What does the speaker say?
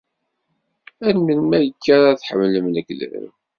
Ar melmi akka ara tḥemmlem lekdeb?